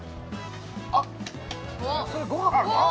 あっそれご飯